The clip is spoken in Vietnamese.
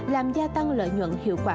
làm gia tăng lợi nhuận hiệu quả